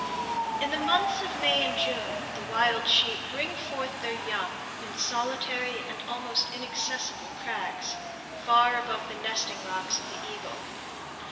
In the months of May and June, the wild sheep bring forth their young in solitary and almost inaccessible crags, far above the nesting rocks of the eagle.